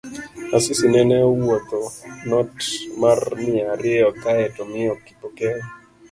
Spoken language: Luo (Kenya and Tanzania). Asisi nene owuodho not mar mia ariyo kae tomiyo Kipokeo